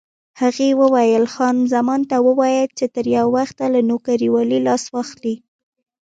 هغې وویل: خان زمان ته ووایه چې تر یو وخته له نوکرېوالۍ لاس واخلي.